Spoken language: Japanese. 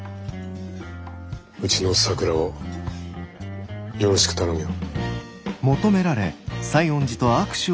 うちの咲良をよろしく頼むよ。